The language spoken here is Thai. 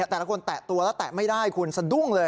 แต่ละคนแตะตัวแล้วแตะไม่ได้คุณสะดุ้งเลย